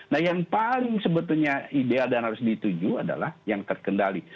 nah yang paling sebetulnya ideal dan harus dituju adalah yang terkendali